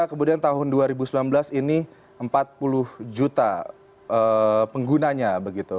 kemudian tahun dua ribu sembilan belas ini empat puluh juta penggunanya begitu